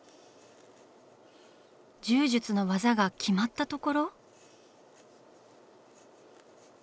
柔術の技が決まったところ？